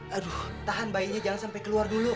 aduh tahan bayinya jangan sampai keluar dulu